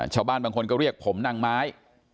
ชาวบ้านบางคนก็เรียกผมนางไม้